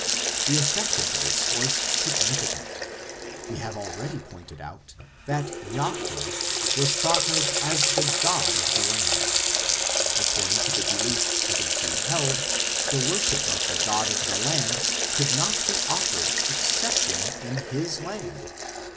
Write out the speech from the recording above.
The effect of this was significant. We have already pointed out that Jahwe was thought of as the God of the land ; according to the belief hitherto held, the worship of the God of the land could not be offered excepting in his land.